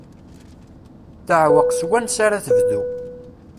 Teɛweq s wansa ara d-tebdu.